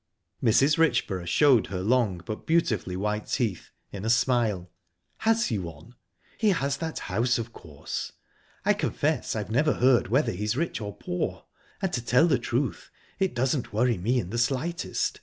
Mrs. Richborough showed her long, but beautifully white teeth, in a smile. "Has he one? He has that house, of course...I confess I've never heard whether he's rich or poor, and, to tell the truth, it doesn't worry me in the slightest.